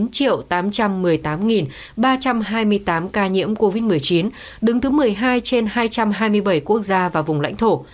ba trăm hai mươi tám ca nhiễm covid một mươi chín đứng thứ một mươi hai trên hai trăm hai mươi bảy quốc gia và vùng lãnh thổ